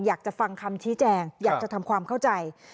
อยากจะฟังคำชี้แจงอยากจะทำความเข้าใจ